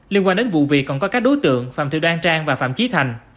liên quan đến vụ việc còn có các đối tượng phạm thị đoan trang và phạm chí thành